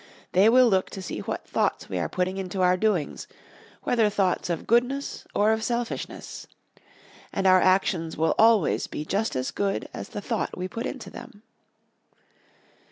They will look to see what thoughts we are putting into our doings, whether thoughts of goodness or of selfishness. And our actions will always be just as good as the thought we put into them.